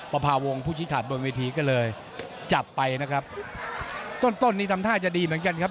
ประพาวงศ์ผู้ชี้ขาดบนเวทีก็เลยจับไปนะครับต้นต้นนี่ทำท่าจะดีเหมือนกันครับ